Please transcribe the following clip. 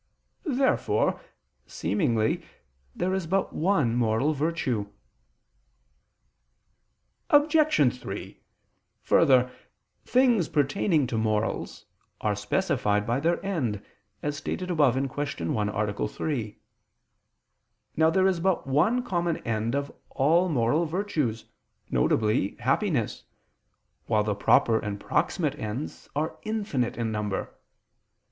Therefore, seemingly, there is but one moral virtue. Obj. 3: Further, things pertaining to morals are specified by their end, as stated above (Q. 1, A. 3). Now there is but one common end of all moral virtues, viz. happiness, while the proper and proximate ends are infinite in number.